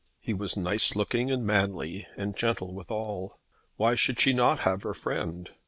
He was nice looking and manly, and gentle withal. Why should she not have her friend?